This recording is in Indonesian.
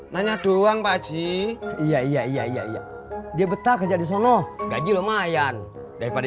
nanya doang pak haji iya iya iya iya dia betah kerja di sana gaji lumayan daripada